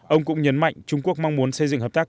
ông cũng nhấn mạnh trung quốc mong muốn xây dựng hợp tác